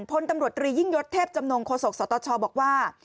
พลตำรวจตรียิ่งยศเทพจำนงโฆษกสตชบอกว่า